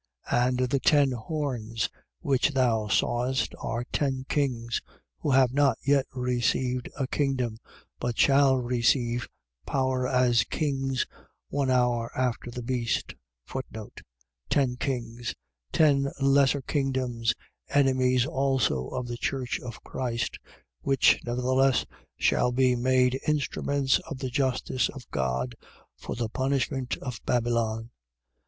17:12. And the ten horns which thou sawest are ten kings, who have not yet received a kingdom: but shall receive power as kings, one hour after the beast. Ten kings. . .Ten lesser kingdoms, enemies also of the church of Christ: which, nevertheless, shall be made instruments of the justice of God for the punishment of Babylon.